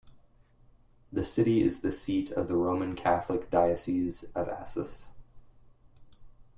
The city is the seat of the Roman Catholic Diocese of Assis.